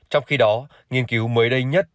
trong khi đó nghiên cứu mới đây nhất